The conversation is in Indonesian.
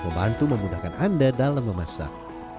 membantu memudahkan anda dalam memasak